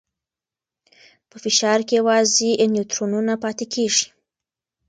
په فشار کې یوازې نیوترونونه پاتې کېږي.